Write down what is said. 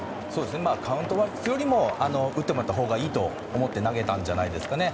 カウントを悪くするより打ってもらったほうがいいと思って投げたんじゃないでしょうかね。